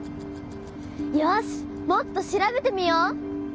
よしもっと調べてみよう！